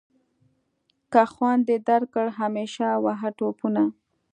که خوند یې درکړ همیشه وهه ټوپونه.